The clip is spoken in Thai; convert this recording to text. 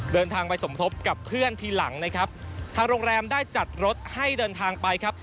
เดินทางไปสมทบกับเพื่อนทีหลังนะครับทางโรงแรมได้จัดรถให้เดินทางไปครับ